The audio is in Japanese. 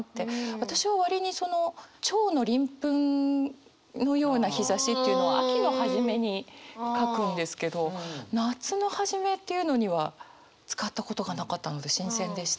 私は割にその蝶の鱗粉のような日ざしというのは秋の初めに書くんですけど夏の初めっていうのには使ったことがなかったので新鮮でした。